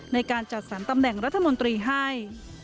ในการจัดสรรตำแหน่งรัฐมนตรีให้